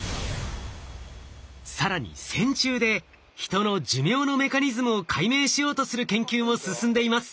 更に線虫でヒトの寿命のメカニズムを解明しようとする研究も進んでいます。